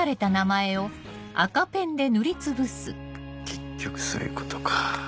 結局そういうことか。